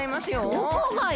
どこがよ！